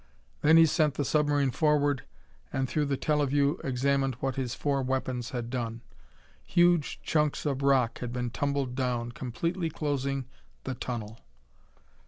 Then he sent the submarine forward, and, through the teleview, examined what his four weapons had done. Huge chunks of rock had been tumbled down, completely closing the tunnel.